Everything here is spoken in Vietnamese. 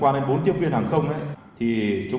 và có thêm một sinh viên có cơ sở than côn